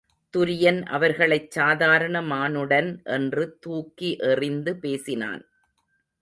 துரியன் அவர்களைச் சாதாரண மானுடன் என்று தூக்கி எறிந்து பேசினான்.